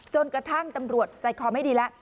จนกระทั่งตำรวจใจคอไม่ดีแล้ว